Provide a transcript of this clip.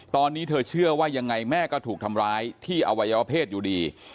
ตอนนี้เธอเชื่อว่ายังไงแม่ก็ถูกทำร้ายที่อวัยวเพศอยู่ดี